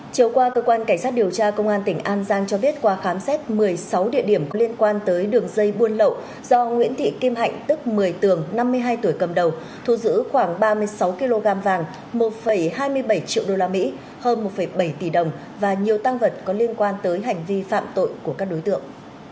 chiều qua cơ quan cảnh sát điều tra công an tỉnh an giang cho biết qua khám xét một mươi sáu địa điểm có liên quan tới đường dây buôn lậu do nguyễn thị kim hạnh tức một mươi tường năm mươi hai tuổi cầm đầu thu giữ khoảng ba mươi sáu kg vàng một hai mươi bảy triệu usd hơn một bảy tỷ đồng và nhiều tăng vật có liên quan tới hành vi phạm tội của các đối tượng